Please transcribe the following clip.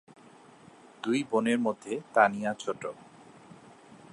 দুই বোনের মধ্যে তানিয়া ছোট।